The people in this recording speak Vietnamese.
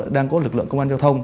đang có lực lượng công an giao thông